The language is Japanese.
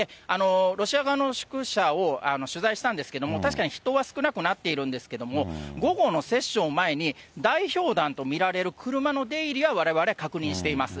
ロシア側の宿舎を取材したんですけれども、確かに人は少なくなっているんですけども、午後のセッションを前に、代表団と見られる車の出入りはわれわれ確認しています。